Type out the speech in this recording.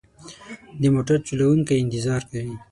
د موټر چلوونکی انتظار کوي.